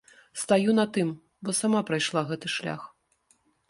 Стаю на тым, бо сама прайшла гэты шлях.